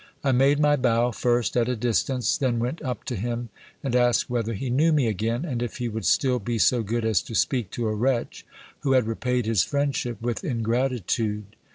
I made my bow first at a distance, then went up to him, and asked whether he knew me again, and if he would still be so good as to speak to a wretch who had repaid his friendship with ingratitude.